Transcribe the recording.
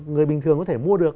người bình thường có thể mua được